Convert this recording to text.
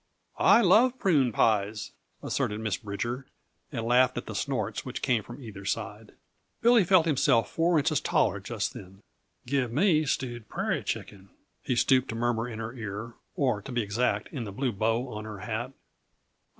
"I love prune pies," asserted Miss Bridger, and laughed at the snorts which came from either side. Billy felt himself four inches taller just then. "Give me stewed prairie chicken," he stooped to murmur in her ear or, to be exact, in the blue bow on her hat.